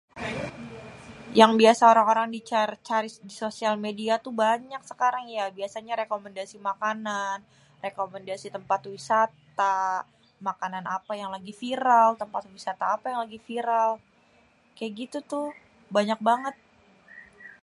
yang biasa orang-orang cari di sosial media tuh banyak sekarang ya biasenye rekomendasi makanan nah rekomendasi tempat wisata makanan ape yang ladi viral tempat wisata ape yang lagi viral ke gitu-tuh banyak banget